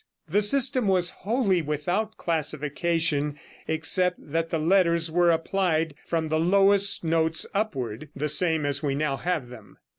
The system was wholly without classification, except that the letters were applied from the lowest notes upward, the same as we now have them.